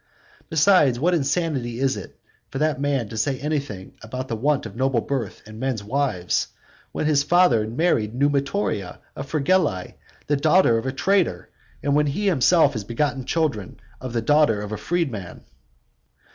Besides, what insanity is it for that man to say anything about the want of noble birth in men's wives, when his father married Numitoria of Fregellae, the daughter of a traitor, and when he himself has begotten children of the daughter of a freedman.